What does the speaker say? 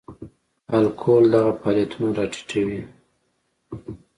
الکول دغه فعالیتونه را ټیټوي.